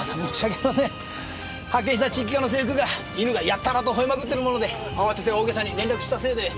発見した地域課の制服が犬がやたらと吠えまくってるもので慌てて大げさに連絡したせいで。